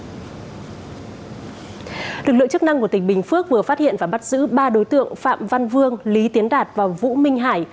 lực lượng chức năng của tỉnh bình phước vừa phát hiện và bắt giữ ba đối tượng phạm văn vương lý tiến đạt và vũ minh hải